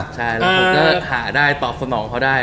ใช่แล้วผมก็หาได้ตอบสนองเขาได้